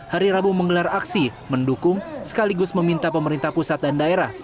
hari rabu menggelar aksi mendukung sekaligus meminta pemerintah pusat dan daerah